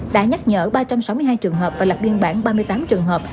đã nhắc nhở ba trăm sáu mươi hai trường hợp và lập biên bản ba mươi tám trường hợp